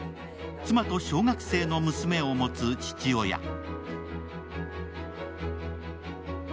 妻と小学生の娘を持つ父親。